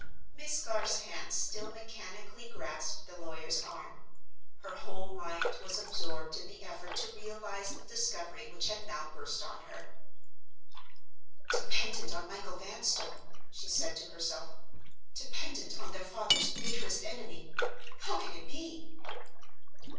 Miss Garth's hand still mechanically grasped the lawyer's arm. Her whole mind was absorbed in the effort to realize the discovery which had now burst on her. "Dependent on Michael Vanstone!" she said to herself. "Dependent on their father's bitterest enemy? How can it be?"